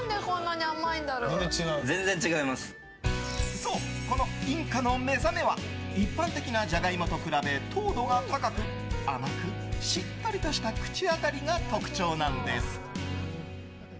そう、このインカのめざめは一般的なじゃがいもと比べ糖度が高く、甘くしっとりとした口当たりが特徴なんです。